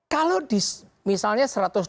kalau di misalnya